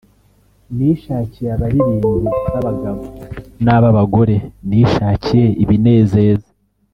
nishakiye abaririmbyi babagabo na babagore nishakiye ibinezeza